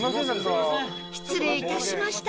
失礼致しました